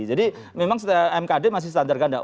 jadi memang mkd masih standar kandang